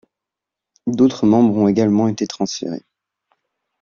D’autres membres ont également été transférées.